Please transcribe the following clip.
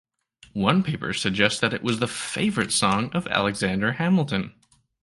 One paper suggests that it was the favourite song of Alexander Hamilton.